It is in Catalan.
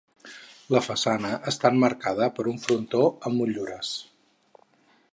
La façana està emmarcada per un frontó amb motllures.